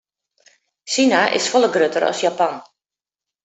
Sina is folle grutter as Japan.